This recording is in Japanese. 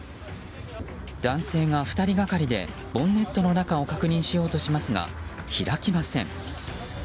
男性が２人がかりでボンネットの中を確認しようとしますが開きません。